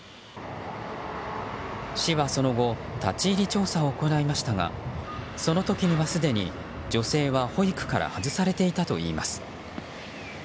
市はその後立ち入り調査を行いましたがその時にはすでに、女性は保育から外されていたといいます。